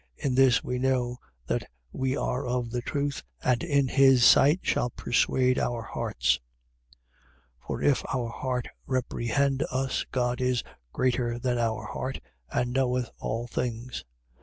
3:19. In this we know that we are of the truth and in his sight shall persuade our hearts. 3:20. For if our heart reprehend us, God is greater than our heart and knoweth all things.